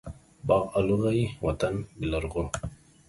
باغ الو غيي ،وطن بيلرغو.